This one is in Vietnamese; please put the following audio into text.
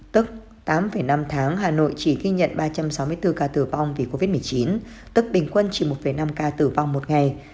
tức tám năm tháng hà nội chỉ ghi nhận ba trăm sáu mươi bốn ca tử vong vì covid một mươi chín tức bình quân chỉ một năm ca tử vong một ngày